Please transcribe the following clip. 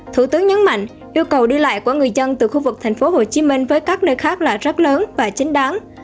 thủ tướng nhấn mạnh yêu cầu đi lại của người dân từ khu vực thành phố hồ chí minh với các nơi khác là rất lớn và chính đáng